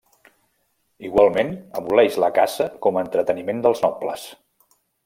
Igualment aboleix la caça com entreteniment dels nobles.